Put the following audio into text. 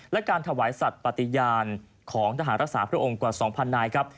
และการถวายสัตว์ปฏิญาณของทหารรักษาพระองค์กว่า๒๐๐นายครับ